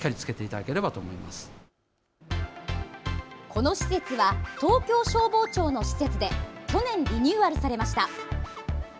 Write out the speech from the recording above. この施設は東京消防庁の施設で去年、リニューアルされました。